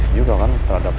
tunggu sebentar pak